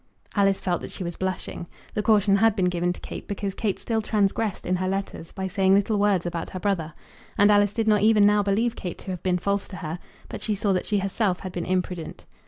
Alice felt that she was blushing. The caution had been given to Kate because Kate still transgressed in her letters, by saying little words about her brother. And Alice did not even now believe Kate to have been false to her; but she saw that she herself had been imprudent.